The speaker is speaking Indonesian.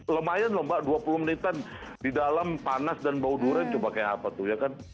lumayan lho mbak dua puluh menitan di dalam panas dan bau durian cuma kayak apa tuh ya kan